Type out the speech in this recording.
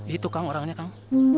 itu kang orangnya kang